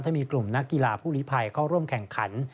ถ้ามีกลุ่มนักกีฬาผู้ลิภัยเข้าร่วมแข่งขัน